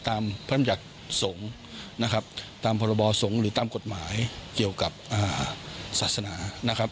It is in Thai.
ตามพระรามจักษ์สงฆ์ตามพรบสงฆ์หรือตามกฎหมายเกี่ยวกับศาสนา